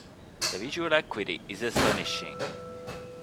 The visual acuity is astonishing.